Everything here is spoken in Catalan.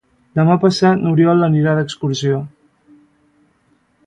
Demà passat n'Oriol anirà d'excursió.